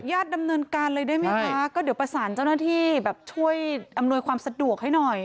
ดำเนินการเลยได้ไหมคะก็เดี๋ยวประสานเจ้าหน้าที่แบบช่วยอำนวยความสะดวกให้หน่อย